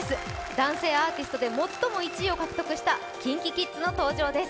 男性アーティストで最も１位を獲得したＫｉｎＫｉＫｉｄｓの登場です。